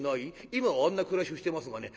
今はあんな暮らしをしてますがね